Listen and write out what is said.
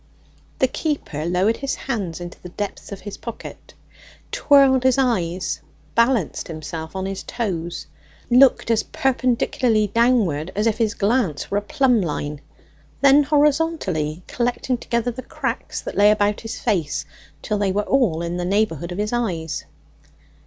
The keeper lowered his hands into the depths of his pockets, twirled his eyes, balanced himself on his toes, looked as perpendicularly downward as if his glance were a plumb line, then horizontally, collecting together the cracks that lay about his face till they were all in the neighbourhood of his eyes.